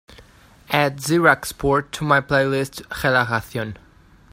Add ze rak sport to my playlist Relajación